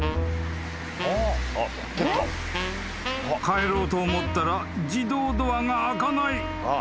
［帰ろうと思ったら自動ドアが開かない］